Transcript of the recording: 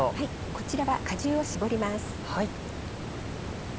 こちらは果汁を搾ります。